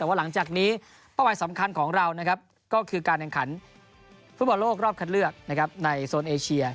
แต่ว่าหลังจากนี้เป้าหมายสำคัญของเรานะครับก็คือการแข่งขันฟุตบอลโลกรอบคัดเลือกในโซนเอเชีย